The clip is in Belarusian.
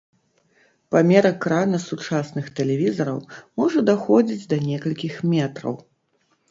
Памер экрана сучасных тэлевізараў можа даходзіць да некалькіх метраў.